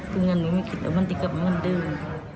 ถึงคงไม่คิดเอางานมาแล้วมันทิกกะมันเดิน